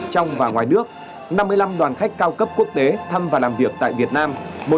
năm mươi năm đoàn khách cao cấp quốc tế thăm và làm việc tại việt nam